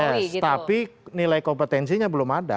yes tapi nilai kompetensinya belum ada